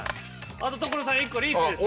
あと所さん１個リーチです。